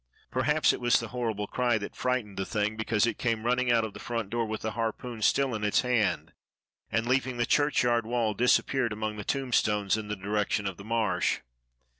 Perhaps it was the horrible cry that frightened the thing, because it came running out of the front door with the harpoon still in its hand, and leaping the churchyard wall disappeared among the tombstones in the direction of the Marsh.